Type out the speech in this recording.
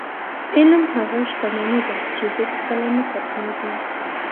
علم هغه شتمني ده، چې هېڅکله نه ختمېږي.